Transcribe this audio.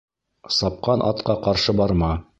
Сапҡан атҡа ҡаршы барма.